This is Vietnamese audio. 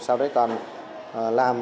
sau đấy còn làm